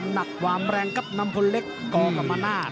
หนักความแรงครับนำพลเล็กกกรรมนาศ